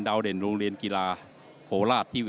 ดาวเด่นโรงเรียนกีฬาโคลาส